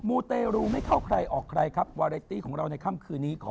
ูเตรูไม่เข้าใครออกใครครับวาเรตตี้ของเราในค่ำคืนนี้ขอ